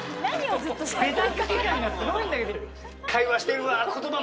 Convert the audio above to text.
ベタ付き感がすごいんだけど。